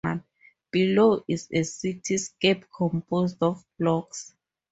Below is a cityscape composed of blocks.